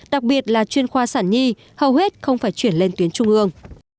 đặc biệt là chuyên khoa sản nhi hầu hết không phải chuyển lên tuyến trung ương